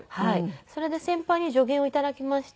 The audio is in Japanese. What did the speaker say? それで先輩に助言を頂きまして。